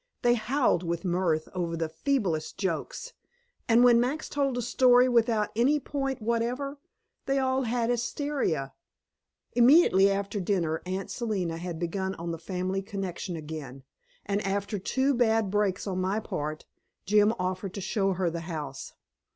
They howled with mirth over the feeblest jokes, and when Max told a story without any point whatever, they all had hysteria. Immediately after dinner Aunt Selina had begun on the family connection again, and after two bad breaks on my part, Jim offered to show her the house.